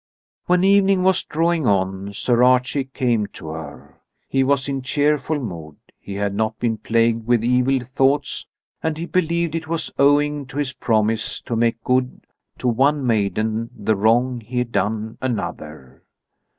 When evening was drawing on, Sir Archie came to her. He was in cheerful mood, he had not been plagued with evil thoughts, and he believed it was owing to his promise to make good to one maiden the wrong he had done another.